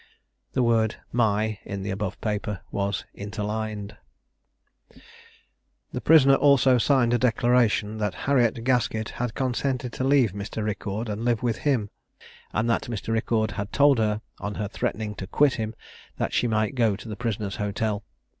The word "my," in the above paper, was interlined. The prisoner also signed a declaration, that Harriet Gaskett had consented to leave Mr. Riccord and live with him, and that Mr. Riccord had told her, on her threatening to quit him, that she might go to the prisoner's hotel.